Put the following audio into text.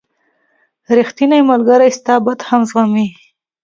• ریښتینی ملګری ستا بد هم زغمي.